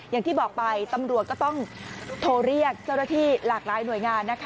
อย่างที่บอกไปตำรวจก็ต้องโทรเรียกเจ้าหน้าที่หลากหลายหน่วยงานนะคะ